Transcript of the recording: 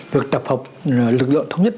được tập hợp lực lượng thống nhất